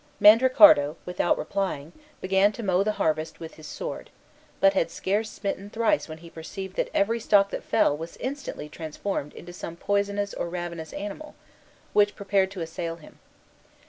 Mandricardo, without replying, began to mow the harvest with his sword, but had scarce smitten thrice when he perceived that every stalk that fell was instantly transformed into some poisonous or ravenous animal, which prepared to assail him.